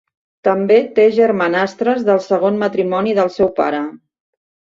També té germanastres del segon matrimoni del seu pare.